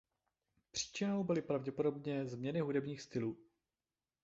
Příčinou byly pravděpodobně změny hudebních stylů.